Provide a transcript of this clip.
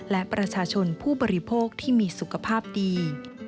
และประชาชนผู้บริโภคที่มีสุขภาพดี